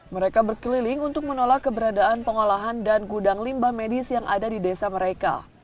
mereka berkeliling untuk menolak keberadaan pengolahan dan gudang limbah medis yang ada di desa mereka